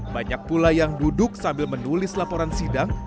banyak pula yang duduk sambil menulis laporan sidang